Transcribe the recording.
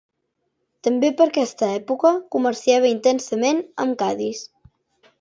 També per aquesta època comerciava intensament amb Cadis.